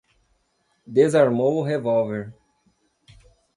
Desarmou o revólver